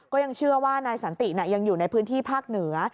ก็ยังเชื่อว่านายสันติยังอยู่ในพื้นที่ภาคเหนือ